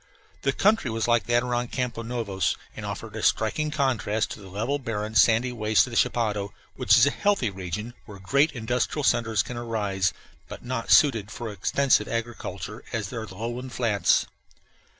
The country was like that around Campos Novos, and offered a striking contrast to the level, barren, sandy wastes of the chapadao, which is a healthy region, where great industrial centres can arise, but not suited for extensive agriculture as are the lowland flats.